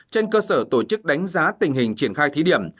trên cơ sở tổ chức đánh giá tình hình triển khai thí điểm